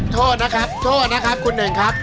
โทษนะครับโทษนะครับคุณหนึ่งครับ